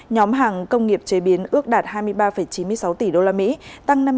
nhóm hàng công nghiệp chế biến ước đạt hai mươi ba chín mươi sáu tỷ usd tăng năm mươi bốn